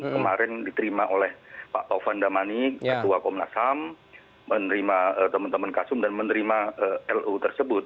kemarin diterima oleh pak taufan damani ketua komnas ham menerima teman teman kasum dan menerima lo tersebut